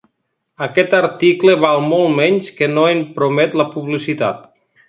Aquest article val molt menys que no en promet la publicitat.